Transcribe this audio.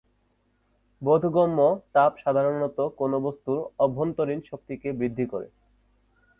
বোধগম্য তাপ সাধারণত কোন বস্তুর অভ্যন্তরীণ শক্তিকে বৃদ্ধি করে।